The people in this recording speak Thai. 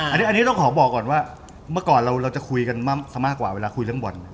อันนี้ต้องขอบอกก่อนว่าเมื่อก่อนเราจะคุยกันซะมากกว่าเวลาคุยเรื่องบอล